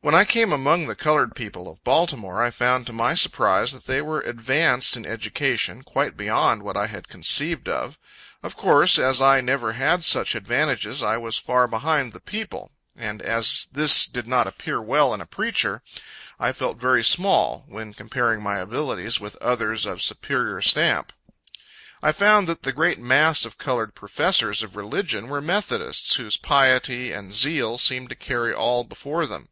When I came among the colored people of Baltimore, I found, to my surprise, that they were advanced in education, quite beyond what I had conceived of. Of course, as I never had such advantages, I was far behind the people; and as this did not appear well in a preacher, I felt very small, when comparing my abilities with others of a superior stamp. I found that the great mass of colored professors of religion were Methodists, whose piety and zeal seemed to carry all before them.